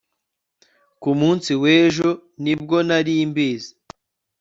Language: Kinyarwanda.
Ku munsi wejo ni bwo nari mbizi